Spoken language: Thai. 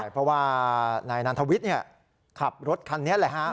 เพราะว่านายนันทวิทย์ขับรถคันนี้แหละฮะ